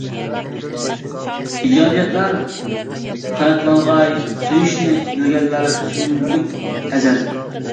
ئىجادىيەتلەر قاناتلانغاي. سۆيۈشنى بىلگەنلەر سۆيۈملۈك ئەزەل.